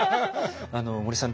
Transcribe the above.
森さん